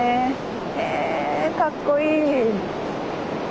へぇかっこいい！